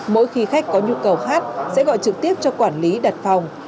mỗi khi khách có nhu cầu hát sẽ gọi trực tiếp cho quản lý đặt phòng